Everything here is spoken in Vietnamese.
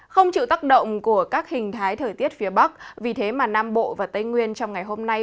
không chịu tác động của các hình thái thời tiết phía bắc vì thế mà nam bộ và tây nguyên trong ngày hôm nay